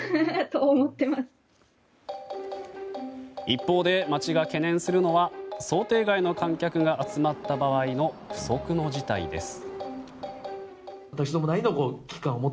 一方で街が懸念するのは想定外の観客が集まった場合の不測の事態です。